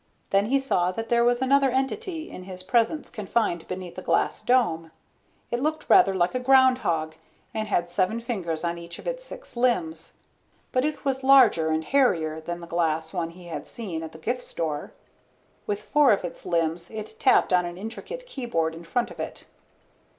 Then he saw that there was another entity in his presence confined beneath a glass dome. It looked rather like a groundhog and had seven fingers on each of its six limbs. But it was larger and hairier than the glass one he had seen at the gift store. With four of its limbs it tapped on an intricate keyboard in front of it.